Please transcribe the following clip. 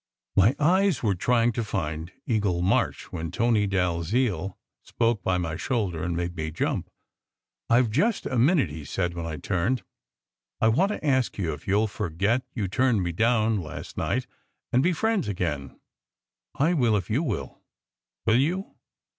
My eyes were trying to find Eagle March when Tony Dalziel spoke by my shoulder, and made me jump. "I ve just a minute," he said when I turned. "I want to 86 SECRET HISTORY ask you if you ll forget you turned me down last night, and be friends again. I will if you will. Will you?"